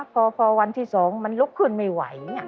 พอวันที่๒มันลุกขึ้นไม่ไหว